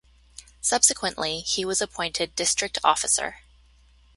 Subsequently, he was appointed District Officer.